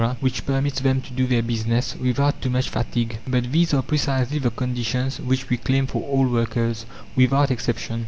which permits them to do their business without too much fatigue. But these are precisely the conditions which we claim for all workers, without exception.